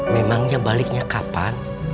memangnya baliknya kapan